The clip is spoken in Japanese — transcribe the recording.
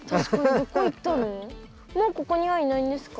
もうここにはいないんですか？